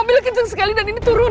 mobilnya kenceng sekali dan ini turunan